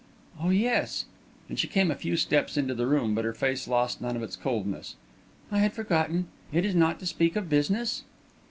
"Oh, yes," and she came a few steps into the room, but her face lost none of its coldness. "I had forgotten. It is not to speak of business?"